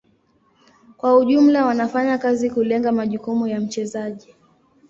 Kwa ujumla wanafanya kazi kulenga majukumu ya mchezaji.